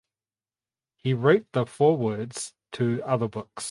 He wrote the forewords to other books.